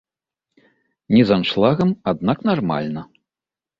Не з аншлагам, аднак нармальна.